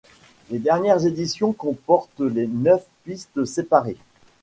Les dernières éditions comportent les neuf pistes séparées.